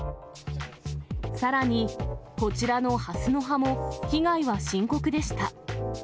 さらに、こちらのハスの葉も、被害は深刻でした。